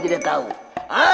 kalian tidak tau